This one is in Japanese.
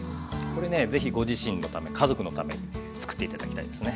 これね是非ご自身のため家族のために作って頂きたいですね。